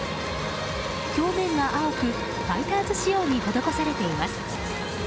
表面が青くファイターズ仕様に施されています。